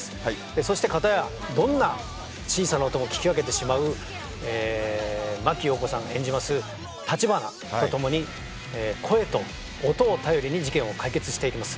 そして片や、どんな小さな音も聞き分けてしまう、真木よう子さん演じます橘と共に、声と音を頼りに、事件を解決していきます。